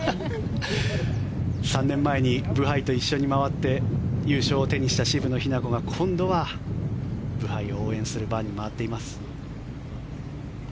３年前にブハイと一緒に回って優勝を手にした渋野日向子が今度はブハイを応援する番に回っています。